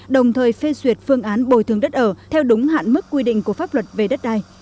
đồng thời phê duyệt phương án bồi thường đất ở theo đúng hạn mức quy định của pháp luật về đất đai